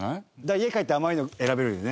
家帰って甘いの選べるよね。